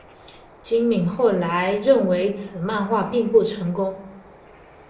今敏后来认为此漫画并不成功。